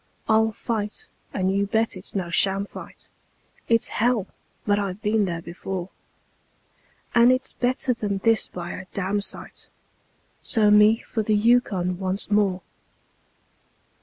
I'll fight and you bet it's no sham fight; It's hell! but I've been there before; And it's better than this by a damsite So me for the Yukon once more.